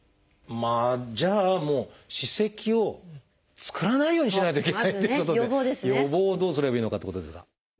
じゃあもう歯石を作らないようにしないといけないっていうことで予防をどうすればいいのかってことですが。